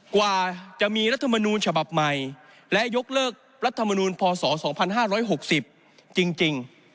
กว่าจะมีรัฐมนูลฉบับใหม่และยกเลิกรัฐมนูลพศ๒๕๖๐จริง